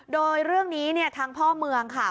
โดยเรื่องนี้เนี่ยทางพ่อเมืองค่ะ